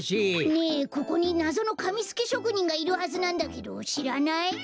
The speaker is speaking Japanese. ねえここになぞのかみすきしょくにんがいるはずなんだけどしらない？